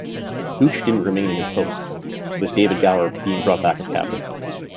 Gooch didn't remain in his post, with David Gower being brought back as captain.